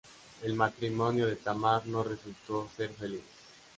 El matrimonio de Tamar no resultó ser feliz.